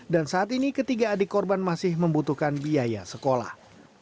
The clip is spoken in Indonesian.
dan saat ini ketiga adik korban masih membutuhkan biaya sekolah